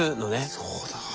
そうだ。